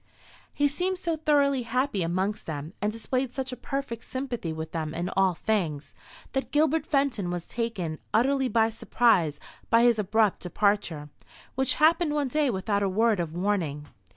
He seemed so thoroughly happy amongst them, and displayed such a perfect sympathy with them in all things, that Gilbert Fenton was taken utterly by surprise by his abrupt departure, which happened one day without a word of warning.